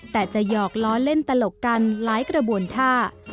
แต่จะหยอกล้อเล่นตลกกันหลายกระบวนท่า